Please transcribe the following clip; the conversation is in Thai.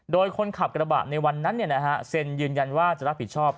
โดยคนขับกระบะในวันนั้นเซ็นยืนยันว่าจะรับผิดชอบ